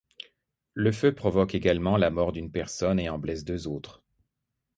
Le feu provoque également la mort d'une personne et en blesse deux autres.